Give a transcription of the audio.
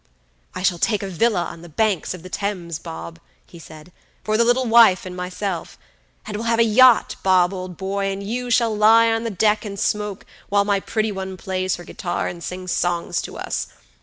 "I shall take a villa on the banks of the Thames, Bob," he said, "for the little wife and myself; and we'll have a yacht, Bob, old boy, and you shall lie on the deck and smoke, while my pretty one plays her guitar and sings songs to us.